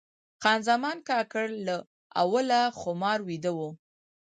خان زمان کاکړ له اوله خمار ویده و.